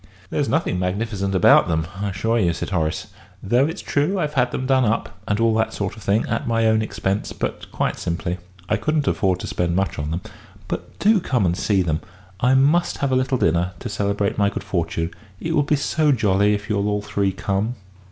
"There's nothing magnificent about them, I assure you," said Horace. "Though it's true I've had them done up, and all that sort of thing, at my own expense but quite simply. I couldn't afford to spend much on them. But do come and see them. I must have a little dinner, to celebrate my good fortune it will be so jolly if you'll all three come."